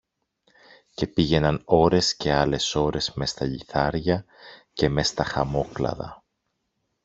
Και πήγαιναν ώρες και άλλες ώρες μες στα λιθάρια και μες τα χαμόκλαδα.